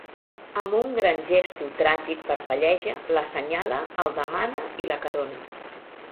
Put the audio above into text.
Amb un gran gesto tràgic parpelleja, l'assenyala, el demana i l'acarona.